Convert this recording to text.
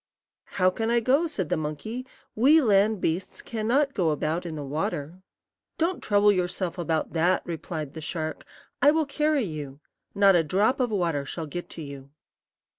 "How can I go?" said the monkey; "we land beasts can not go about in the water." "Don't trouble yourself about that," replied the shark; "I will carry you. Not a drop of water shall get to you."